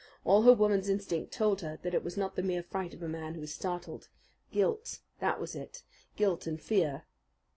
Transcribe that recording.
All her woman's instinct told her that it was not the mere fright of a man who is startled. Guilt that was it guilt and fear!